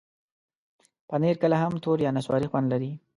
پنېر کله هم تور یا نسواري خوند لري.